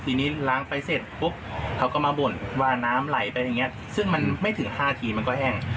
ทีนี้ล้างไปเสร็จปุ๊บเขาก็มาบ่นว่าน้ำไหลไปอย่างเงี้ยซึ่งมันไม่ถึง๕ทีมันก็แห้ง